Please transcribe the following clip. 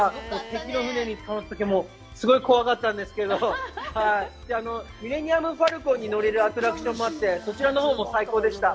敵の船に捕まったときはすごい怖かったんですけど、ミレニアム・ファルコンに乗れるアトラクションもあって、そちらのほうも最高でした。